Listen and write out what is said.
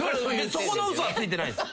そこの嘘はついてないです。